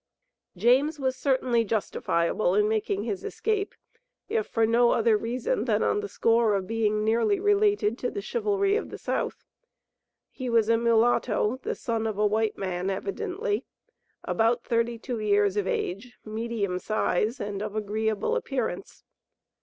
James was certainly justifiable in making his escape, if for no other reason than on the score of being nearly related to the chivalry of the South. He was a mulatto (the son of a white man evidently), about thirty two years of age, medium size, and of an agreeable appearance.